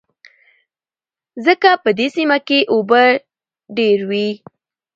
ځکه په دې سيمه کې اوبه ډېر وې.